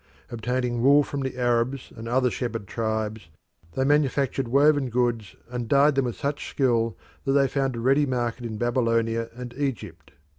Obtaining wool from the Arabs and other shepherd tribes, they manufactured woven goods and dyed them with such skill that they found a ready market in Babylonia and Egypt.